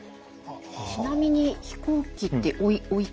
ちなみに飛行機っておいくらぐらい？